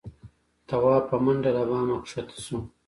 تواب په منډه له بامه کښه شو.